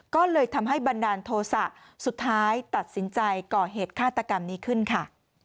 ก็เลยทำให้บันดาลโทษะสุดท้ายตัดสินใจก่อเหตุฆาตกรรมนี้ขึ้นค่ะ